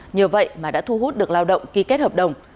nhờ vậy mà đã thu hút được lao động ký kết hợp đồng